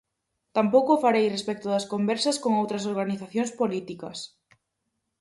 Tampouco o farei respecto das conversas con outras organizacións políticas.